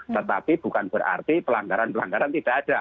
tetapi bukan berarti pelanggaran pelanggaran tidak ada